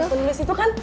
yang penulis itu kan